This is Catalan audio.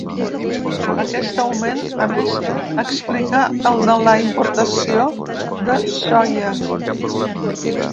Aquest augment, a més, explica el de la importació de soia.